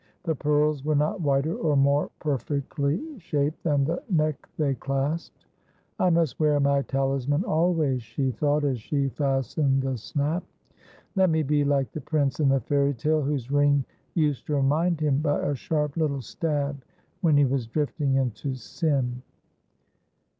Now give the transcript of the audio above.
The pearls were not whiter or more perfectly shaped than the neck they clasped. ' I must wear my talisman always,' she thought, as she fastened the snap. ' Let me be like the prince in the fairy tale, whose ring used to remind him by a sharp little stab when he was drifting into sin.'